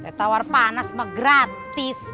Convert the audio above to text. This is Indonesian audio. teh tawar panas mah gratis